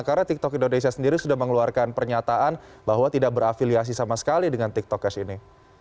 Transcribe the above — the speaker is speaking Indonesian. karena tiktok indonesia sendiri sudah mengeluarkan pernyataan bahwa tidak berafiliasi sama sekali dengan tiktok cash ini